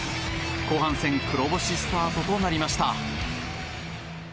後半戦黒星スタートとなりました。